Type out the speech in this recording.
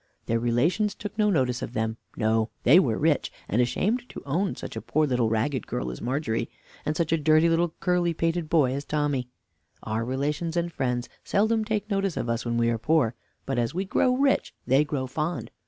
Their relations took no notice of them; no, they were rich, and ashamed to own such a poor little ragged girl as Margery, and such a dirty little curly pated boy as Tommy. Our relations and friends seldom take notice of us when we are poor; but as we grow rich they grow fond.